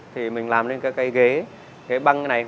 thì mình làm lên cái ghế băng này